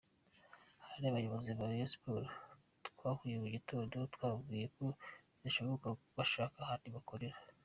Hari abayobozi ba Rayon Sports twahuye mu gitondo twababwiye ko bidashoboka bashake ahandi bakorera.